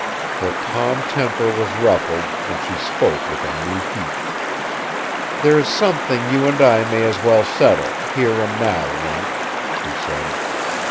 Her calm temper was ruffled, and she spoke with a new heat: "There is something you and I may as well settle, here and now, Link," she said.